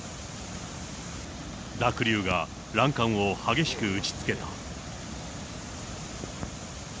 濁流が欄干を激しく打ちつけた。